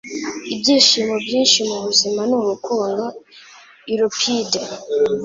Ibyishimo byinshi mu buzima ni urukundo.” - Euripide